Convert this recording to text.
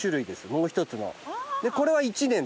もう一つの。